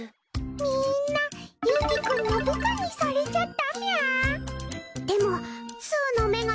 みんなゆにくんの部下にされちゃったみゃ。